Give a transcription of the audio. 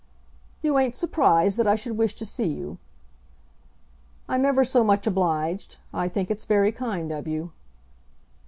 "You ain't surprised that I should wish to see you." "I'm ever so much obliged. I think it's very kind of you."